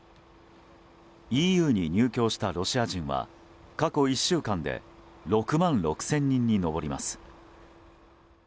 ＥＵに入境したロシア人は過去１週間で６万６０００人に上ります。